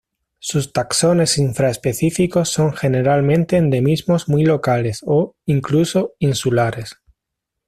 Sus taxones infraespecíficos son generalmente endemismos muy locales o, incluso, insulares.